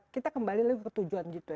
kita kembali lagi ke tujuan g dua puluh